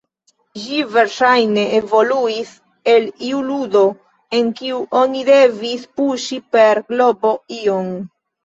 Ĝi verŝajne evoluis el iu ludo, en kiu oni devis puŝi per globo ion.